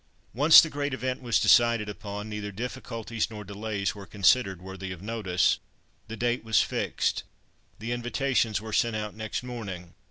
Once the great event was decided upon, neither difficulties nor delays were considered worthy of notice. The date was fixed: the invitations were sent out next morning.